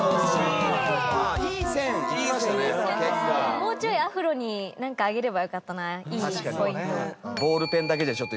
もうちょいアフロになんか挙げればよかったないいポイントを。